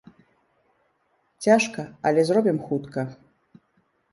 Цяжка, але зробім хутка.